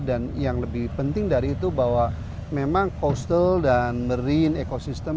dan yang lebih penting dari itu bahwa memang coastal dan marine ekosistem